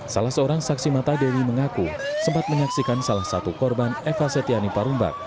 salah seorang saksi mata dewi mengaku sempat menyaksikan salah satu korban eva setiani parumbak